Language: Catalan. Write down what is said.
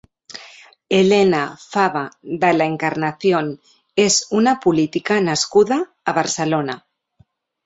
Elena Faba de la Encarnación és una política nascuda a Barcelona.